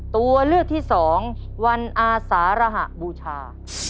ตัวเลือกที่สองวันอาสารหะบูชา